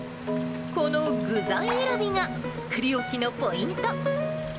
この具材選びが作り置きのポイント。